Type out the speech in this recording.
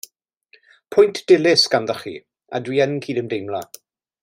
Pwynt dilys ganddoch chi a dw i'n cydymdeimlo.